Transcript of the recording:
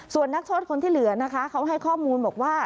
ส่วนนักโทษคนที่เหลือนะคะเขาให้ข้อมูลบอกว่า